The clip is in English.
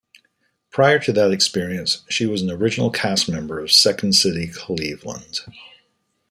Prior to that experience, she was an original cast member of Second City Cleveland.